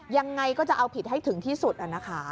ยังไงก็จะเอาผิดให้ถึงที่สุดนะคะ